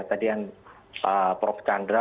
tadi yang prof chandra